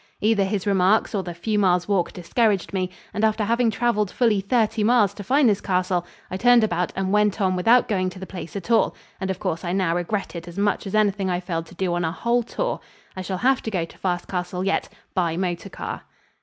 Either his remarks or the few miles walk discouraged me, and after having traveled fully thirty miles to find this castle, I turned about and went on without going to the place at all, and of course I now regret it as much as anything I failed to do on our whole tour. I shall have to go to Fast Castle yet by motor car.